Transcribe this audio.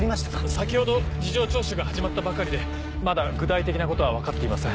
先ほど事情聴取が始まったばかりでまだ具体的なことは分かっていません。